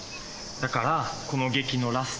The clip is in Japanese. だからこの劇のラストは。